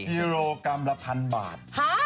ฮีโรกรรมละพันบาท